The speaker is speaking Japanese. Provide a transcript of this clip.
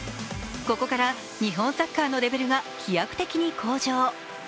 ここから日本サッカーのレベルが飛躍的に向上。